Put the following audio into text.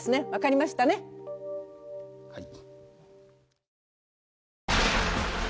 はい。